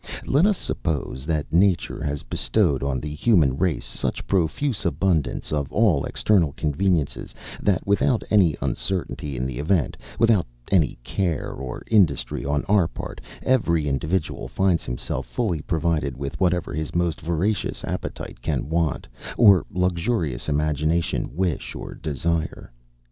Let us suppose that nature has bestowed on the human race such profuse abundance of all external conveniences, that, without any uncertainty in the event, without any care or industry on our part, every individual finds himself fully provided with whatever his most voracious appetite can want, or luxurious imagination wish or desire.